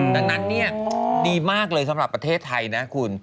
ดังนั้นเนี่ยดีมากเลยสำหรับประเทศไทยนะคุณ